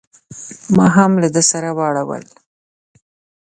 ما هم له ده سره واړول.